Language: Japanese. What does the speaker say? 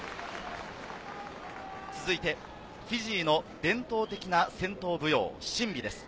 続いて、フィジーの伝統的な戦闘舞踊・シンビです。